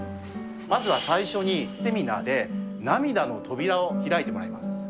まずは最初に、セミナーで涙の扉を開いてもらいます。